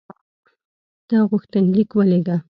ته غوښتنلیک ولېږه.